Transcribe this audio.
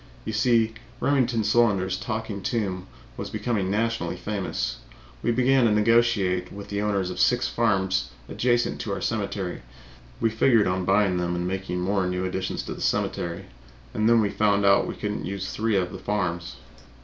You see Remington Solander's Talking Tomb was becoming nationally famous. We began to negotiate with the owners of six farms adjacent to our cemetery; we figured on buying them and making more new additions to the cemetery. And then we found we could not use three of the farms.